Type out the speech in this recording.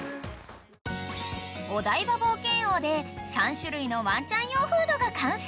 ［お台場冒険王で３種類のワンちゃん用フードが完成］